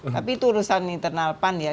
tapi itu urusan internal pan ya